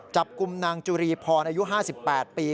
จับกลุ่มนางจุรีพรอายุ๕๘ปี